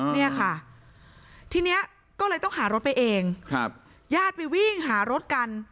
เนี่ยค่ะทีนี้ก็เลยต้องหารถไปเองครับญาติไปวิ่งหารถกัน